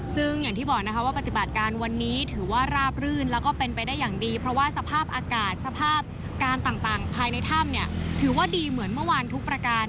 ซึ่งอย่างที่บอกนะคะว่าปฏิบัติการวันนี้ถือว่าราบรื่นแล้วก็เป็นไปได้อย่างดีเพราะว่าสภาพอากาศสภาพการต่างภายในถ้ำเนี่ยถือว่าดีเหมือนเมื่อวานทุกประการ